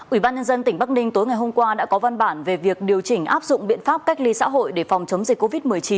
ủy ban nhân dân tỉnh bắc ninh tối ngày hôm qua đã có văn bản về việc điều chỉnh áp dụng biện pháp cách ly xã hội để phòng chống dịch covid một mươi chín